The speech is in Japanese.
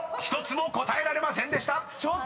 １つも答えられませんでした！］